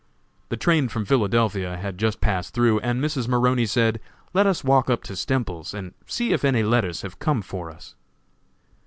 The train from Philadelphia had just passed through, and Mrs. Maroney said: "Let us walk up to Stemples's and see if any letters have come for us."